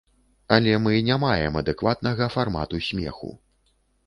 Але мы не маем адэкватнага фармату смеху.